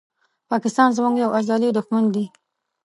پاکستان زموږ یو ازلې دښمن دي